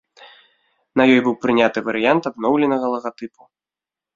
На ёй быў прыняты варыянт абноўленага лагатыпу.